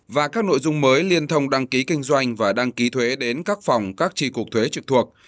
và các nội dung mới liên thông đăng ký kinh doanh và đăng ký thuế đến các phòng các tri cục thuế trực thuộc